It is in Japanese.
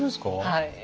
はい。